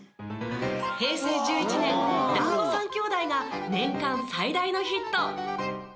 平成１１年『だんご３兄弟』が年間最大のヒット。